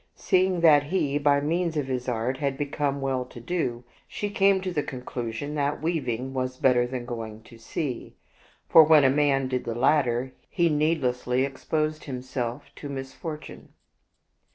Seeing that he, by means of his art, had be come well to do, she came to the conclusion that weaving was better than going to sea, for when a man did the latter, he needlessly exposed himself to misfortune.